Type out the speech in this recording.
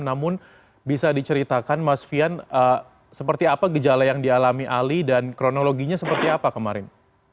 namun bisa diceritakan mas fian seperti apa gejala yang dialami ali dan kronologinya seperti apa kemarin